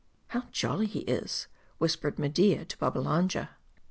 "How jolly he is," whispered Media to Babbalanja.